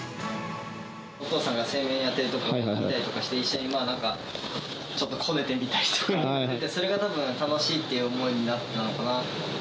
お父さんが製麺やってるところ、見たりとかして、なんか一緒にちょっとこねてみたりとか、それがたぶん、楽しいっていう思いになったのかな。